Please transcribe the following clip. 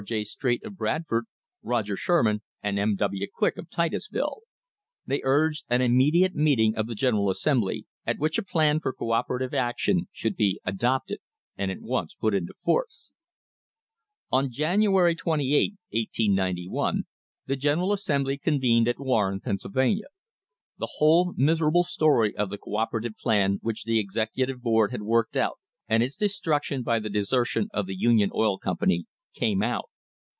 J. Straight, of Bradford; Roger Sherman and M. W. Quick, of Titusville. They urged an immediate meeting of the General Assembly, at which a plan for co operative action should be adopted and at once put into force. On January 28, 1891, the General Assembly convened at Warren, Pennsylvania. The whole miserable story of the co operative plan which the executive board had worked out, and its destruction by the desertion of the Union Oil Com pany, came out.